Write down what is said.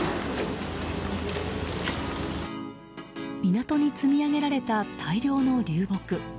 港に積み上げられた大量の流木。